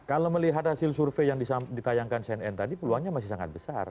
kalau melihat hasil survei yang ditayangkan cnn tadi peluangnya masih sangat besar